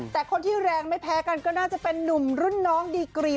แต่คนที่แรงไม่แพ้กันก็น่าจะเป็นนุ่มรุ่นน้องดีกรีม